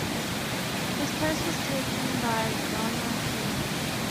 His place was taken by Lana Kaelin.